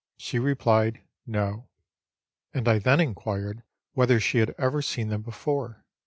She replied, " No "; and I then inquired whether she had ever seen them before.